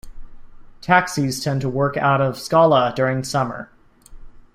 Taxis tend to work out of Skala during summer.